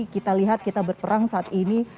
kita lihat kita berperang saat ini